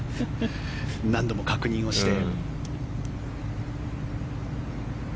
何度も確認をして。